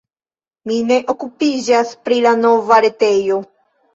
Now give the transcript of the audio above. Mi ne okupiĝas pri la nova retejo.